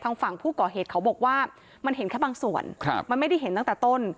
ฝั่งผู้ก่อเหตุเขาบอกว่ามันเห็นแค่บางส่วนครับมันไม่ได้เห็นตั้งแต่ต้น